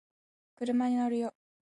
車に乗るよ